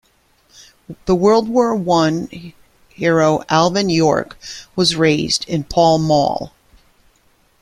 The World War One hero Alvin York was raised in Pall Mall.